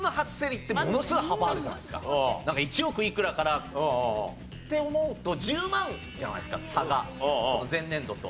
なんか１億いくらからって思うと１０万じゃないですか差が前年度と。